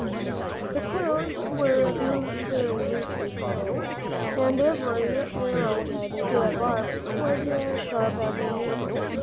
The quills were very loosely set in, and every arrowheaded barb was as sharp as a needle.